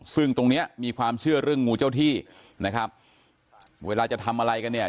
ซึ่งตรงเนี้ยมีความเชื่อเรื่องงูเจ้าที่นะครับเวลาจะทำอะไรกันเนี่ย